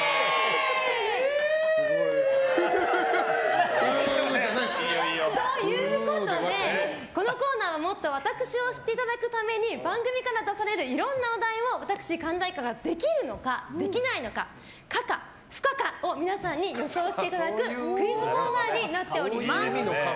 フー！ということでこのコーナーはもっと私を知っていただくために番組から出されるいろんな話題を私、神田愛花ができるのか、できないのか可か不可を予想していただくクイズコーナーになっております。